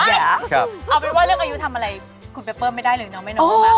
เอาเป็นว่าเรื่องอายุทำอะไรคุณเปเปิ้ลไม่ได้เลยน้องไม่น้อย